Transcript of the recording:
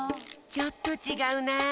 ちょっとちがうなあ。